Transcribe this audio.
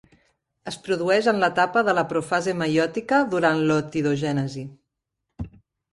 Es produeix en l'etapa de la profase meiòtica I durant l'ootidogènesi.